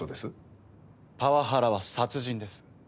パワハラは殺人です。